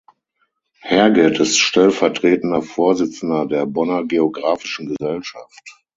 Herget ist stellvertretender Vorsitzender der Bonner Geographischen Gesellschaft.